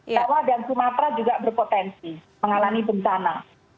jawa dan sumatera juga berpotensi mengalami bencana